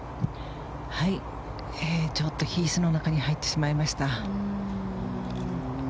はい、ヒースの中に入ってしまいました。